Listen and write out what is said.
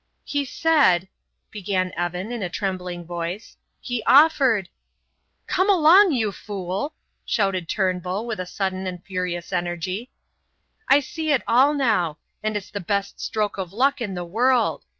"He said " began Evan, in a trembling voice "he offered " "Come along, you fool!" shouted Turnbull with a sudden and furious energy. "I see it all now, and it's the best stroke of luck in the world.